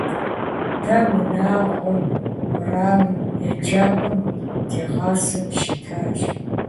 Дэ унагъуэм, уэрамым, еджапӏэм дигъасэу щытащ.